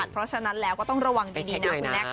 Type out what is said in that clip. เพราะฉะนั้นแล้วก็ต้องระวังดีนะคุณแม่